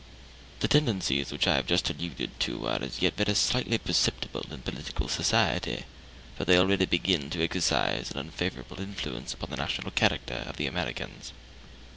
The tendencies which I have just alluded to are as yet very slightly perceptible in political society, but they already begin to exercise an unfavorable influence upon the national character of the Americans.